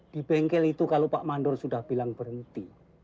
di bengkel itu kalau pak mandor sudah bilang berhenti